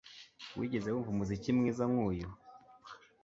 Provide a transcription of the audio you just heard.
Wigeze wumva umuziki mwiza nkuyu